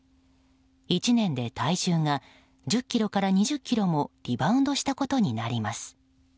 １年で体重が１０ｋｇから２０ｋｇもリバウンドしたことになります。